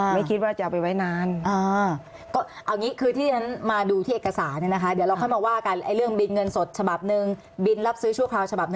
ไม่คิดว่าจะเอาไปไว้นาน